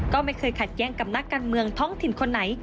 ก็ไม่เคยขัดแย้งกับนักการเมืองท้องถิ่นคนไหน